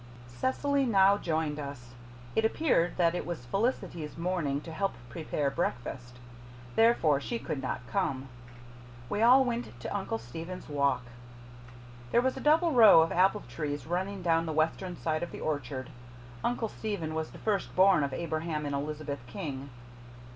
Cecily now joined us. It appeared that it was Felicity's morning to help prepare breakfast, therefore she could not come. We all went to Uncle Stephen's Walk. This was a double row of apple trees, running down the western side of the orchard. Uncle Stephen was the first born of Abraham and Elizabeth King.